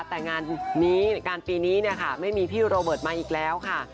แต่งานปีนี้ไม่มีพี่อู๋โรเบิร์ตมาอีกแล้วค่ะ